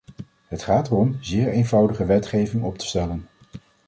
Het gaat erom, zeer eenvoudige wetgeving op te stellen.